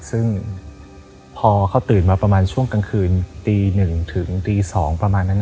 ซึ่งพอเขาตื่นมาประมาณช่วงกลางคืนตีหนึ่งตีสอง